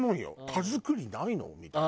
田作りないの？みたいな。